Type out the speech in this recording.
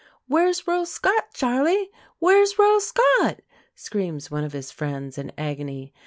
"Where's Royal Scot, Charley? Where's Royal Scot?" screams one of his friends, in agony.